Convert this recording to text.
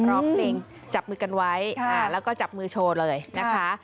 ร้องเพลงจับมือกันไว้แล้วก็จับมือโชว์เลยนะคะ